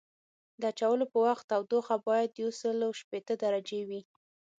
د اچولو په وخت تودوخه باید یوسل شپیته درجې وي